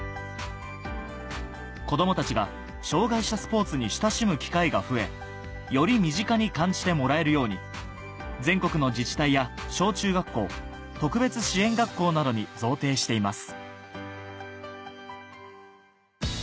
子供たちが障がい者スポーツに親しむ機会が増えより身近に感じてもらえるように全国の自治体や小・中学校特別支援学校などに贈呈しています